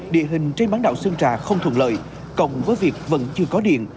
địa hình trên bán đảo sơn trà không thuận lợi cộng với việc vẫn chưa có điện